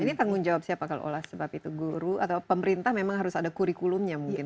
ini tanggung jawab siapa kalau oleh sebab itu guru atau pemerintah memang harus ada kurikulumnya mungkin